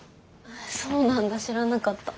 そうなんだ知らなかった。